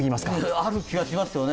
ある気がしますよね、